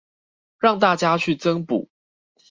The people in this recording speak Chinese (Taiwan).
讓大家去增補